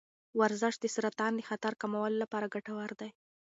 ورزش د سرطان د خطر کمولو لپاره ګټور دی.